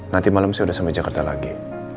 nanti malam saya sudah sampai jakarta lagi